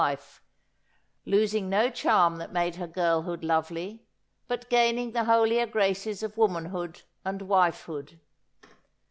■wife, losing no charm that made her girlhood lovely, but gain ing the holier graces of womanhood and wifehood.